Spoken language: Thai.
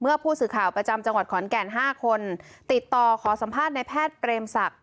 ผู้สื่อข่าวประจำจังหวัดขอนแก่น๕คนติดต่อขอสัมภาษณ์ในแพทย์เปรมศักดิ